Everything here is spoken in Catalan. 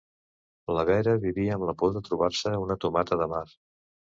La Vera vivia amb la por de trobar-se una tomata de mar.